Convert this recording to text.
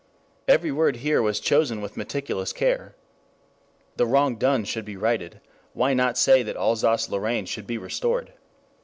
Every word here was chosen with meticulous care. The wrong done should be righted; why not say that Alsace Lorraine should be restored?